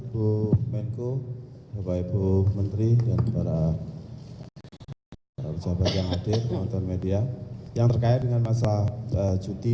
bu menko bapak ibu menteri dan para sahabat yang hadir pemerintah media yang terkaya dengan masa cuti